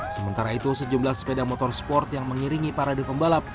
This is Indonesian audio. sementara itu sejumlah sepeda motor sport yang mengiringi parade pembalap